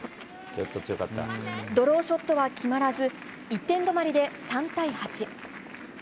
ドローショットは決まらず１点止まりで３対８。